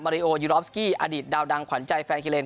ริโอยูรอฟสกี้อดีตดาวดังขวัญใจแฟนกิเลน